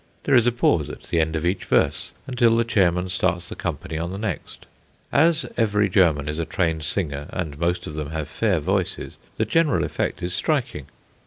There is a pause at the end of each verse until the chairman starts the company on the next. As every German is a trained singer, and as most of them have fair voices, the general effect is striking.